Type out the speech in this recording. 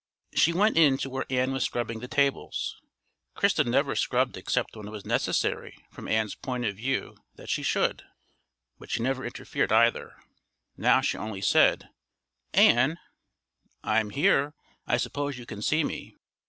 She went in to where Ann was scrubbing the tables. Christa never scrubbed except when it was necessary from Ann's point of view that she should, but she never interfered either. Now she only said: "Ann!" "I'm here; I suppose you can see me."